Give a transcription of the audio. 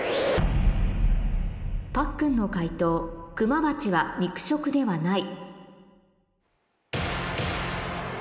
パックンの解答「クマバチは肉食ではない」